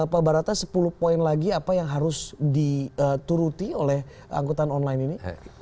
pak barata sepuluh poin lagi apa yang harus dituruti oleh angkutan online ini